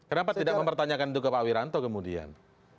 kenapa tidak mempertanyakan itu ke pak wiranto kemudian